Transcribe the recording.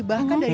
bahkan dari pagi